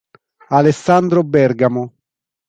Alessandro Bergamo